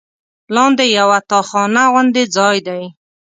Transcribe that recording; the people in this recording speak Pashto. لاندې یوه تاخانه غوندې ځای دی.